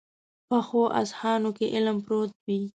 پخو اذهانو کې علم پروت وي